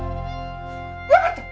わかった？